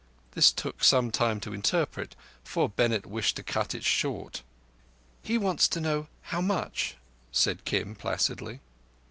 This took some time to interpret, for Bennett wished to cut it short. "He wants to know how much?" said Kim placidly.